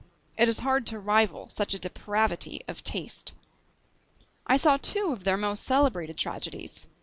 It is hard to rival such a depravity of taste. I saw two of their most celebrated tragedies.